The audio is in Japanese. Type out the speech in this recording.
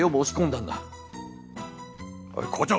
おい校長！